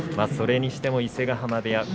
それにしても伊勢ヶ濱部屋